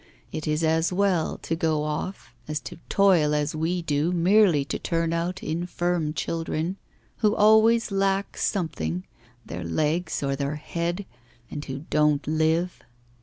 It is as well to go off as to toil as we do merely to turn out infirm children, who always lack something, their legs or their head, and who don't live.